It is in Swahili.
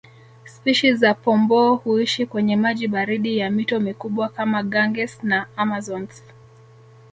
Spishi za Pomboo huishi kwenye maji baridi ya mito mikubwa kama Ganges na Amazones